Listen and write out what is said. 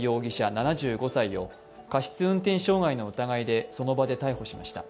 ７５歳を過失運転傷害の疑いでその場で逮捕しました。